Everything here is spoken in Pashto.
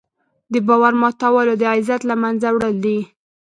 د باور ماتول د عزت له منځه وړل دي.